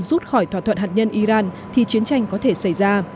rút khỏi thỏa thuận hạt nhân iran thì chiến tranh có thể xảy ra